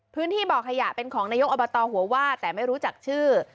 พื้นที่บ่อขยะเป็นของนายกอบตหัวว่าแต่ไม่รู้จักชื่อ